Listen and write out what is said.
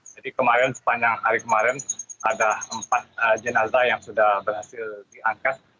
kemarin sepanjang hari kemarin ada empat jenazah yang sudah berhasil diangkat